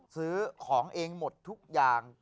ซื้อของเองหมดทุกอย่าง